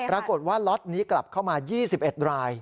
ปรากฏว่าล็อตนี้กลับเข้ามา๒๑ราย